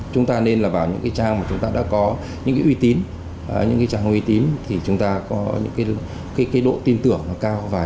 chúng ta nên là vào những cái trang mà chúng ta đã có những cái uy tín những cái trang uy tín thì chúng ta có cái độ tin tưởng nó cao và chúng ta cũng phòng tránh được rất nhiều cái vấn đề bị lừa đảo